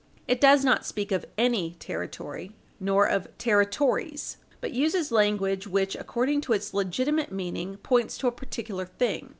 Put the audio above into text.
It does not speak of any territory, nor of Territories, but uses language which, according to its legitimate meaning, points to a particular thing.